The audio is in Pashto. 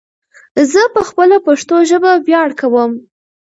ځه په خپله پشتو ژبه ویاړ کوم